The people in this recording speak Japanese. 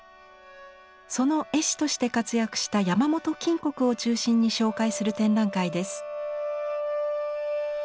その絵師として活躍した山本谷を中心に紹介する展覧会です。